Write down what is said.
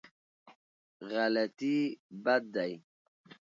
غلطي بد دی.